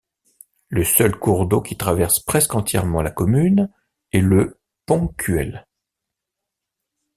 Le seul cours d'eau qui traverse presque entièrement la commune est le Pontcuel.